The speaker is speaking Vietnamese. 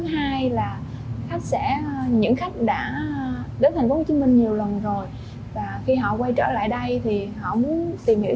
điều thứ ba là những khách đã đến tp hcm nhiều lần rồi và khi họ quay trở lại đây thì họ muốn tìm hiểu